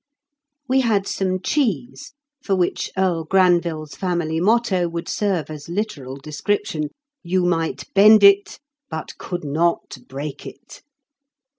We had some cheese, for which Earl Granville's family motto would serve as literal description. You might bend it, but could not break it.